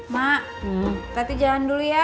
mak kita tijalan dulu ya